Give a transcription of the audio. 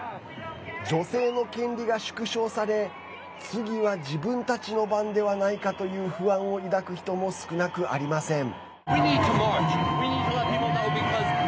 女性の権利が縮小され、次は自分たちの番ではないかという不安を抱く人も少なくありません。